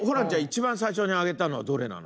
一番最初に上げたのはどれなの？